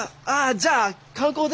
じゃあ観光で？